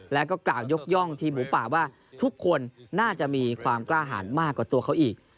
แล้วก็กล่าวยกย่องทีมหมูป่าว่าทุกคนน่าจะมีความกล้าหาญมากกว่าตัวเขาอีก